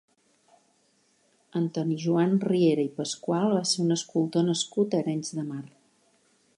Antoni Joan Riera i Pascual va ser un escultor nascut a Arenys de Mar.